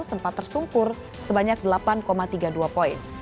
sempat tersungkur sebanyak delapan tiga puluh dua poin